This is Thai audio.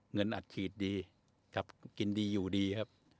เงินอัดฉีดดีครับกินดีอยู่ดีครับ